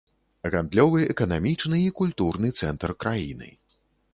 Гандлёвы, эканамічны і культурны цэнтр краіны.